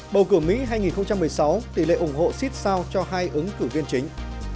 bầu cử mỹ hai nghìn một mươi sáu tỷ lệ ủng hộ xích sao cho hai ứng cử viên chính